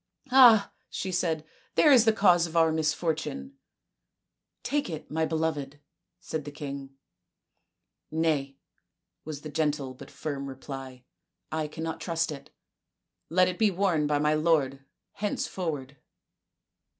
" Ah," she said, " there is the cause of our misfortune." " Take it, my beloved," said the king, " Nay," was the gentle but firm reply, " I cannot trust it. Let it be worn by my lord henceforward."